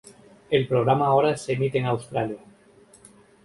El programa ahora se emite en Australia.